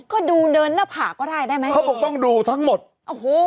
ก็ดูเดินหน้าผากก็ได้ได้ไหมเขาบอกต้องดูทั้งหมดโอ้โห